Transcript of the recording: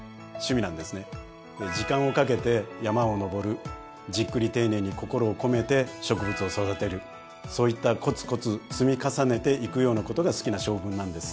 時間をかけて山を登るじっくり丁寧に心を込めて植物を育てるそういったこつこつ積み重ねていくようなことが好きな性分なんです。